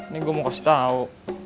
nih gue mau kasih tau